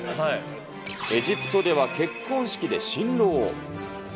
エジプトでは結婚式で新郎を。